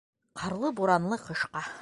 Ҡарлы-буранлы ҡышҡа.